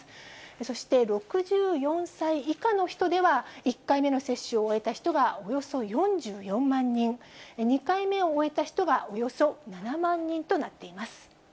そして６４歳以下の人では、１回目の接種を終えた人がおよそ４４万人、２回目を終えた人がおよそ７万人となっています。